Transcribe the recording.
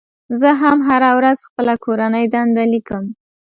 زه هم هره ورځ خپله کورنۍ دنده لیکم.